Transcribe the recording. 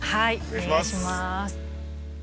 お願いします。